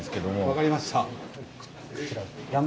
分かりました。